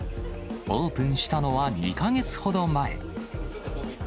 オープンしたのは２か月ほど前。